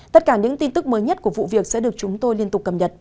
tất cả những tin tức mới nhất của vụ việc sẽ được chúng tôi liên tục cập nhật